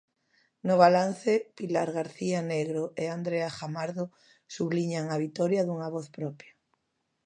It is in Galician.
No balance, Pilar García Negro e Andrea Jamardo subliñan a vitoria dunha voz propia.